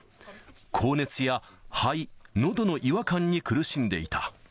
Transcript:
高熱や肺、のどの違和感に苦しんでいた。